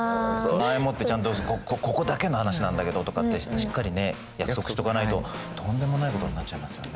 前もってちゃんと「ここだけの話なんだけど」とかってしっかりね約束しとかないととんでもないことになっちゃいますよね。